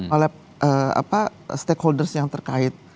oleh stakeholders yang terkait